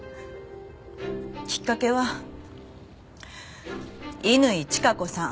きっかけは乾チカ子さん。